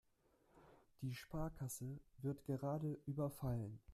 Die Sparkasse wird gerade überfallen.